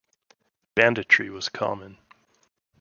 Banditry was common.